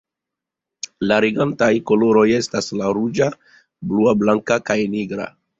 La regantaj koloroj estas la ruĝa, blua, blanka kaj nigra.